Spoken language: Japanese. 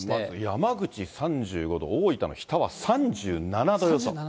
山口３５度、大分も日田は３７度予想。